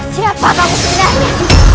siapa kamu dengarnya